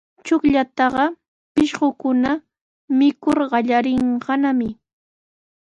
Chuqllataqa pishqukuna mikur qallariykannami.